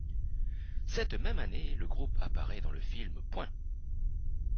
Cette même année, le groupe apparaît dans le film '.